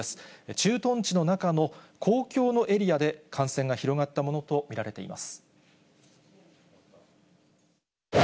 駐屯地の中の公共のエリアで感染が広がったものと見られています。